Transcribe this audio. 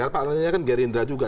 karena pak lanyala kan gerindra juga